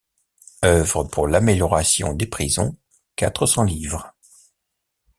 Œuvre pour l’amélioration des prisons: quatre cents livres.